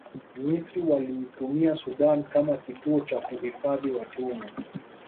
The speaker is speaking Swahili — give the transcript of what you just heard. misri waliitumia sudan kama kituo cha kuhifadhi watumwa